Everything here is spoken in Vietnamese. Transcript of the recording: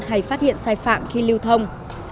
hay phát hiện sai phạm khi lưu thông